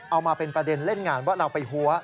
เอามาเป็นประเด็นเล่นงานว่าเราไปหัว